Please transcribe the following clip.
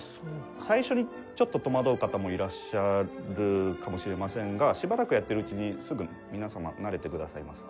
最初にちょっと戸惑う方もいらっしゃるかもしれませんがしばらくやってるうちにすぐに皆様慣れてくださいます。